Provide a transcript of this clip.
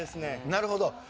なるほど。